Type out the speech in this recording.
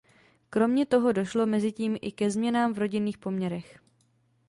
Kromě toho došlo mezitím i ke změnám v rodinných poměrech.